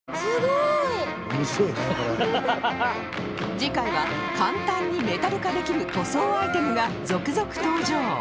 次回は簡単にメタル化できる塗装アイテムが続々登場